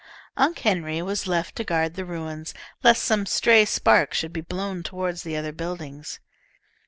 Unc' Henry was left to guard the ruins, lest some stray spark should be blown toward the other buildings.